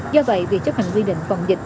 do vậy việc chấp hành quy định phòng dịch